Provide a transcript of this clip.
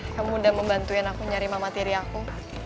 kamu udah membantuin aku nyari mama tiri aku